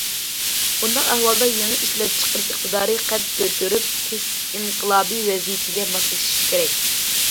بۇنداق ئەھۋالدا يېڭى ئىشلەپچىقىرىش ئىقتىدارى قەد كۆتۈرۈپ، كەسىپ ئىنقىلابى ۋەزىيىتىگە ماسلىشىشى كېرەك.